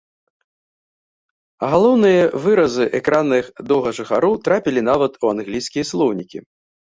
А галоўныя выразы экранных доўгажыхароў трапілі нават у англійскія слоўнікі.